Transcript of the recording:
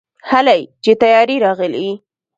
هلئ چې طيارې راغلې.